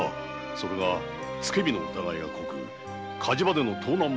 「つけ火」の疑いが濃く火事場での盗難も。